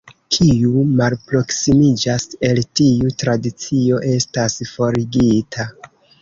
Kiu malproksimiĝas el tiu Tradicio estas forigita.